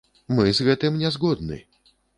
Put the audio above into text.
Мы з гэтым не згодны.